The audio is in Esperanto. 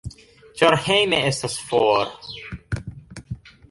Ĉar hejme estas for